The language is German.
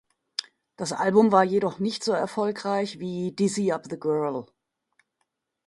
Das Album war jedoch nicht so erfolgreich wie "Dizzy Up the Girl".